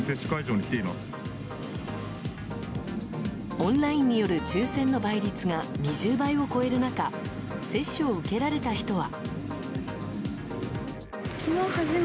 オンラインによる抽選の倍率が２０倍を超える中接種を受けられた人は。